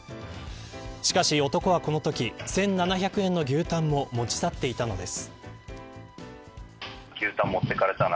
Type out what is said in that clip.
しかし、男はこのとき１７００円の牛タンも持ち去っていたのです。